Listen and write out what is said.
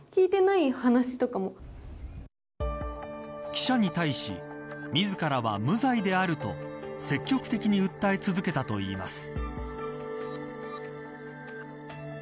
記者に対し自らは無罪であると積極的に訴え続けたといいます。